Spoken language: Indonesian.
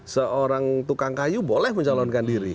seorang tukang kayu boleh mencalonkan diri